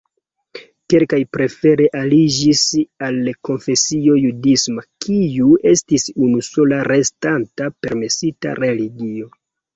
Kelkaj prefere aliĝis al konfesio judisma, kiu estis unusola restanta permesita religio.